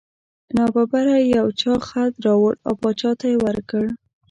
نا ببره یو چا خط راوړ او باچا ته یې ورکړ.